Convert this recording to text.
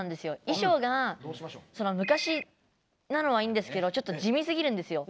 いしょうが昔なのはいいんですけどちょっと地味すぎるんですよ。